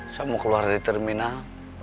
saya mau keluar dari terminal